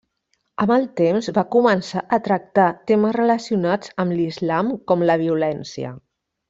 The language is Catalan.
Amb el temps va començar a tractar temes relacionats amb l'Islam com la violència.